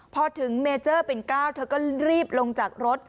พอถึงเมเจอร์ปิ่น๙เธอก็รีบลงจากรถ